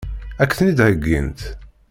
Ad k-ten-id-heggint?